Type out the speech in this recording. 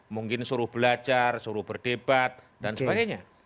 mungkin suruh belajar suruh berdebat dan sebagainya